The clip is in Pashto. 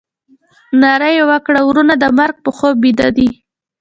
ناره یې وکړه ورونه د مرګ په خوب بیده دي.